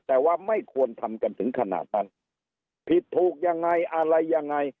แต่ว่าไม่ควรทำกันถึงขนาดนั้นผิดถูกยังไงอะไรยังไง